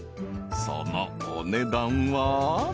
［そのお値段は］